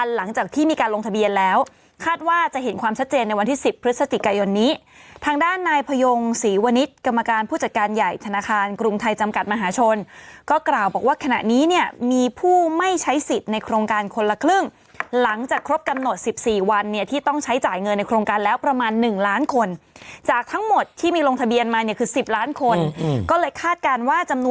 หลังจากที่มีการลงทะเบียนแล้วคาดว่าจะเห็นความชัดเจนในวันที่๑๐พฤศจิกายนนี้ทางด้านนายพยงศรีวณิชย์กรรมการผู้จัดการใหญ่ธนาคารกรุงไทยจำกัดมหาชนก็กล่าวบอกว่าขณะนี้เนี่ยมีผู้ไม่ใช้สิทธิ์ในโครงการคนละครึ่งหลังจากครบกำหนด๑๔วันเนี่ยที่ต้องใช้จ่ายเงินในโครงการแล้วประมาณ